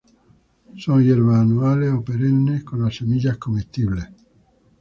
Son hierbas anuales o perennes con las semillas comestibles.